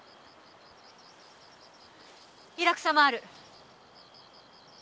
イラクサもある。